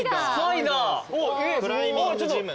クライミングジム。